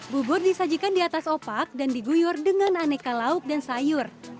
bubur disajikan di atas opak dan diguyur dengan aneka lauk dan sayur